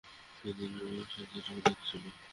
সেখানেও সে দীর্ঘদিন ছিল।